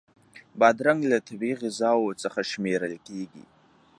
بادرنګ له طبعی غذاوو څخه شمېرل کېږي.